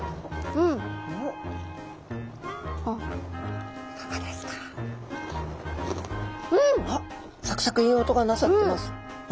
うん！あっサクサクいい音がなさってます。